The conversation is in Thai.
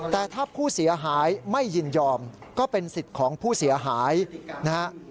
แต่ถ้าผู้เสียหายไม่ยินยอมก็เป็นสิทธิ์ของผู้เสียหายนะฮะ